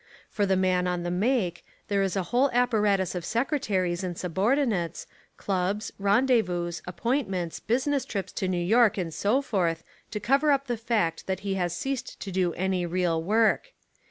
For the man on the make there is a whole apparatus of secretaries and subordinates, clubs, rendez vous, appointments, business trips to New York and so forth to cover up the fact that he has ceased to do any real work.